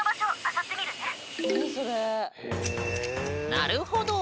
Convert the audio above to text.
なるほど。